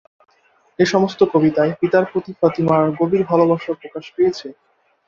এসমস্ত কবিতায় পিতার প্রতি ফাতিমার গভীর ভালোবাসা প্রকাশ পেয়েছে।